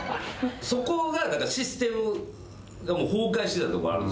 そこがシステムが崩壊してたとこがあるんですよ。